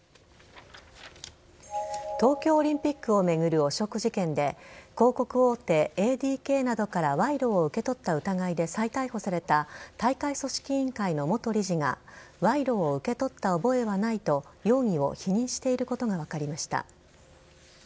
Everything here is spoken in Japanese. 東京オリンピックを巡る汚職事件で広告大手・ＡＤＫなどから賄賂を受け取った疑いで再逮捕された大会組織委員会の元理事が賄賂を受け取った覚えはないと容疑を否認していることが分かりました。